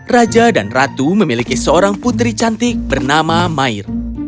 raja dan ratu memiliki seorang putri cantik bernama mair